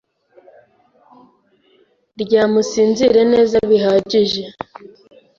Ryama usinzire neza bihagije